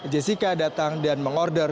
jessica datang dan mengorder